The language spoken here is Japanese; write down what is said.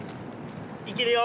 いけるよ。